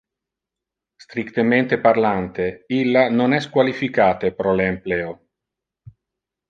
Strictemente parlante, illa non es qualificate pro le empleo.